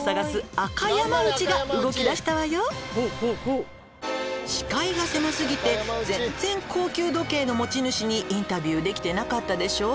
「そして」「視界が狭過ぎて全然高級時計の持ち主にインタビューできてなかったでしょう」